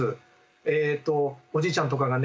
えっとおじいちゃんとかがね